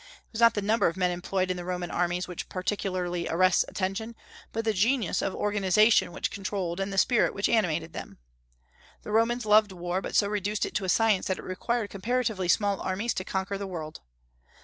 It was not the number of men employed in the Roman armies which particularly arrests attention, but the genius of organization which controlled and the spirit which animated them. The Romans loved war, but so reduced it to a science that it required comparatively small armies to conquer the world.